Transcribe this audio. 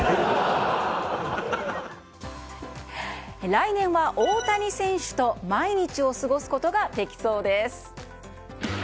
来年は大谷選手と毎日を過ごすことができそうです。